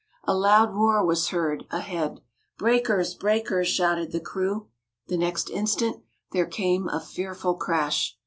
A loud roar was heard ahead. "Breakers! breakers!" shouted the crew. The next instant there came a fearful crash.